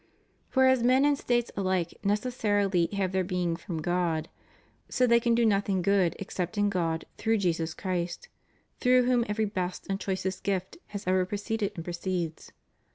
For as men and states alike necessarily have their being from God, so they can do nothing good except in God through Jesus Christ, through whom every best and choicest gift has ever proceeded and proceeds.